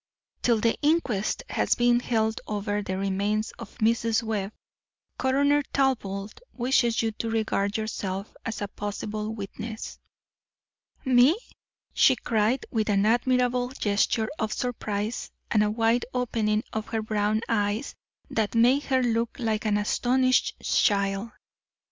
"Till the inquest has been held over the remains of Mrs. Webb, Coroner Talbot wishes you to regard yourself as a possible witness." "Me?" she cried, with an admirable gesture of surprise and a wide opening of her brown eyes that made her look like an astonished child.